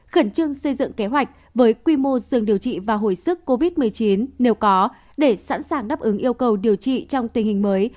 khẩn trương xây dựng kế hoạch với quy mô dương điều trị và hồi sức covid một mươi chín nếu có để sẵn sàng đáp ứng yêu cầu điều trị trong tình hình mới